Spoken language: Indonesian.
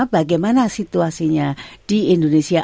bagaimana situasinya di indonesia